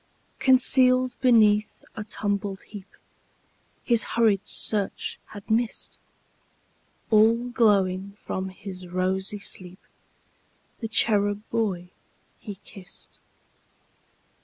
Concealed beneath a tumbled heapHis hurried search had missed, All glowing from his rosy sleep, The cherub boy he kissed.